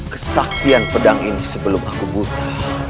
kesaktian pedang ini sebelum aku buka